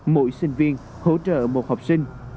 mỗi sinh viên hỗ trợ một học sinh